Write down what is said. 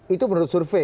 itu menurut survei ya